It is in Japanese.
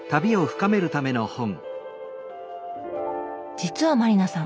実は満里奈さん